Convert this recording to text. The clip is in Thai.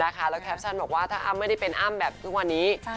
แล้วแคปชั่นบอกว่าถ้าอ้ำไม่ได้เป็นอ้ำแบบทุกวันนี้